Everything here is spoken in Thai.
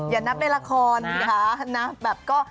อย่านับเป็นละครนะคะ